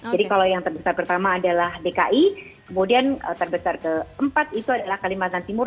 jadi kalau yang terbesar pertama adalah dki kemudian terbesar keempat itu adalah kalimantan timur